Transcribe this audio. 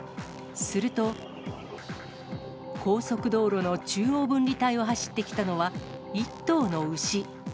すると、高速道路の中央分離帯を走ってきたのは、１頭の牛。